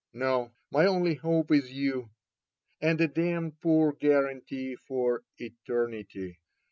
No, my only hope is you — and a damned poor guarantee for eternity.